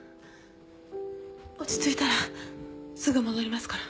落ち着いたらすぐ戻りますから。